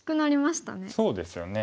そうですよね。